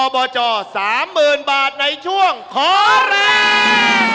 อไบร์จสามหมื่นบาทในช่วงขอแรง